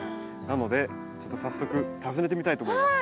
なのでちょっと早速訪ねてみたいと思います。